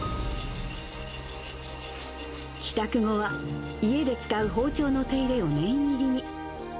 帰宅後は家で使う包丁の手入れを念入りに。